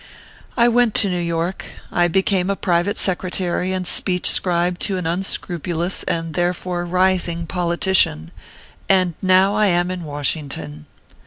I went to New York ; I became private secretary and speech scribe to an unscrupulous and, therefore, rising politician ; and now I am in Washington.